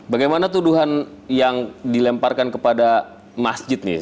bagaimana tuduhan yang dilemparkan kepada masjid nih